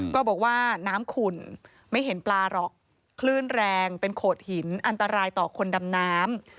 ก็บอกว่าน้ำขุ่นไม่เห็นปลาหรอกคลื่นแรงเป็นโขดหินอันตรายต่อคนดำน้ำ